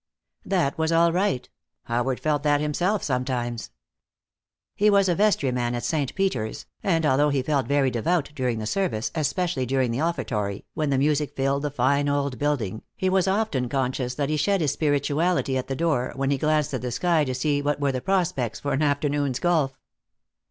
That was all right. Howard felt that himself sometimes. He was a vestryman at Saint Peter's, and although he felt very devout during the service, especially during the offertory, when the music filled the fine old building, he was often conscious that he shed his spirituality at the door, when he glanced at the sky to see what were the prospects for an afternoon's golf.